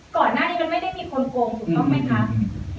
ก่อนหน้าไม่ได้มีคนโกงหมายความว่า